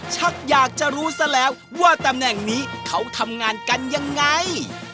ชักอยากจะรู้ซะแล้วว่าตำแหน่งนี้เขาทำงานกันยังไง